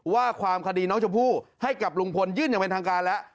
ว่าความคดีน้องชมพู่ให้กับลุงพลยื่นอย่างเป็นทางการแล้ว